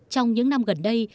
trong những năm gần đây